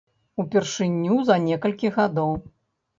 Упершыню за некалькі гадоў.